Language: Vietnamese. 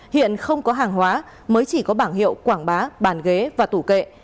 hiện không có hàng hóa mới chỉ có bảng hiệu quảng bá bàn ghế và tủ kệ